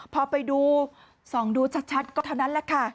พอไปดูส่องดูชัดก็เท่านั้นแหละค่ะ